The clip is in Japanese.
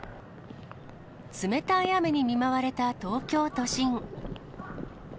冷たい雨に見舞われた東京都心。